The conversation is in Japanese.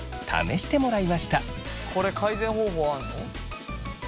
これ改善方法あるの？